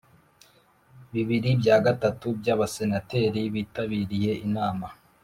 Bibiri byagatatu by’ Abasenateri bitabiriye inama